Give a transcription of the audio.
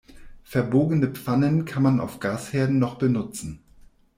Verbogene Pfannen kann man auf Gasherden noch benutzen.